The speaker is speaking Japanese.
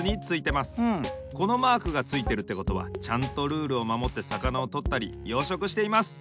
このマークがついてるってことはちゃんとルールをまもってさかなをとったり養殖しています。